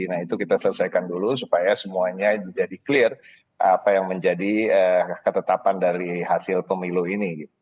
nah itu kita selesaikan dulu supaya semuanya jadi clear apa yang menjadi ketetapan dari hasil pemilu ini